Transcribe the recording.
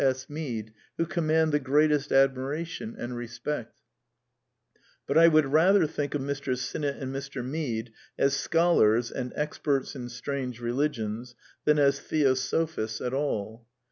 S. Mead who command the greatest admiration and respect ; but I would rather think of Mr. Sinnett and Mr. Mead as scholars and experts in strange religions than as theosophists at all.